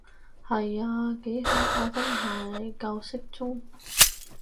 係啊，幾好㗎真係，夠適中